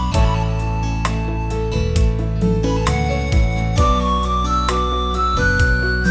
เพื่อนเธอของลูก